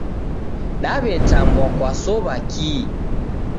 Dawetambwa kwasowa kii